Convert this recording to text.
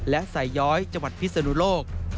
และสายย้อยจังหวัดพิศนุโลก